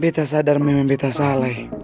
betta sadar memang betta sadar babak tiga selesai